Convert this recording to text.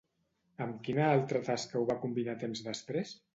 Amb quina altra tasca ho va combinar temps després?